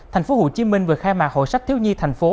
thành phố hồ chí minh vừa khai mạc hội sách thiếu nhi thành phố